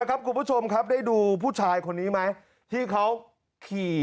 ดีใจครับคุณผู้ชมเข้าใจถามคนมีคดีมากมาก